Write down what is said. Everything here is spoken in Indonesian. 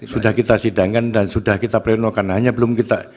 sudah kita sidangkan dan sudah kita pleno karena hanya belum kita